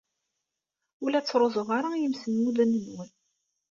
Ur la ttruẓuɣ ara imsemmuden-nwen.